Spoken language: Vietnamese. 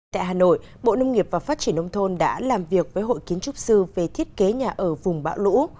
tại hà nội bộ nông nghiệp và phát triển nông thôn đã làm việc với hội kiến trúc sư về thiết kế nhà ở vùng bão lũ